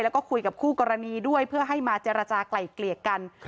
แล้วก็คุยกับคู่กรณีด้วยเพื่อให้มาเจรจากลายเกลี่ยกัน